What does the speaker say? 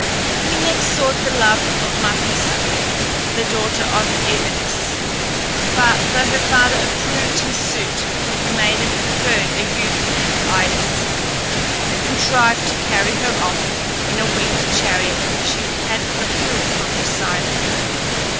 He next sought the love of Marpessa, the daughter of Evenus; but though her father approved his suit, the maiden preferred a youth named Idas, who contrived to carry her off in a winged chariot which he had procured from Poseidon.